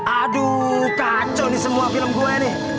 aduh kacau nih semua film gue nih